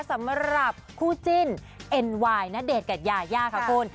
สำหรับคู่จิ้นเอ็นไวน์ณเดชน์กับยายาค่ะคุณ